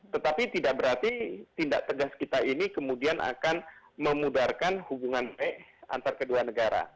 tetapi tidak berarti tindak tegas kita ini kemudian akan memudarkan hubungan baik antar kedua negara